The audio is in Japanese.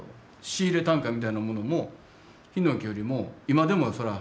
仕入れ単価みたいなものもヒノキよりも今でもそれは安いから。